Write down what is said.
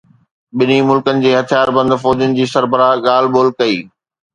ٻنهي ملڪن جي هٿياربند فوجن جي سربراهن ڳالهه ٻولهه ڪئي